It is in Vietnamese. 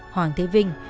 hoàng thế vinh